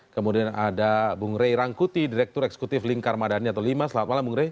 kemudian ada bung rey rangkuti direktur eksekutif lingkar madani atau lima selamat malam bung rey